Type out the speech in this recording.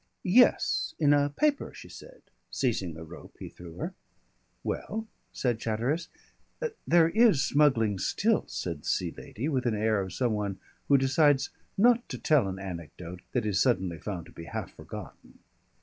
"Yes, in a paper," she said, seizing the rope he threw her. "Well?" asked Chatteris. "There is smuggling still," said the Sea Lady, with an air of some one who decides not to tell an anecdote that is suddenly found to be half forgotten.